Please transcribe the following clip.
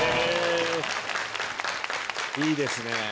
いいですね。